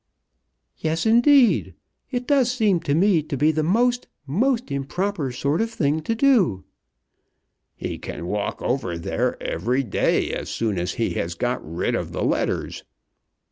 "Yes, indeed! It does seem to me to be the most, most improper sort of thing to do." "He can walk over there every day as soon as he has got rid of the letters." Mr.